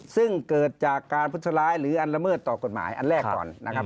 ซึ่งเกิดจากการพุทธร้ายหรืออันละเมิดต่อกฎหมายอันแรกก่อนนะครับ